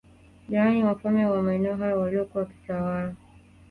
Yani wafalme wa maeneo hayo waliokuwa wakitawala